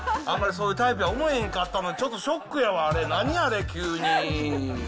あんまりそういうタイプや思えへんかったのに、ちょっとショックやわ、あれ、何あれ、急に。